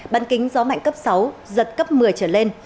bán kính gió mạnh cấp sáu giật cấp một mươi trở lên